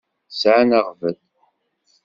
Sɛan aɣbel.